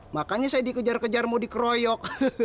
makanya saya dikejar kejar mau dikeroyok